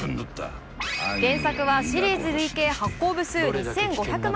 原作はシリーズ累計発行部数、２５００万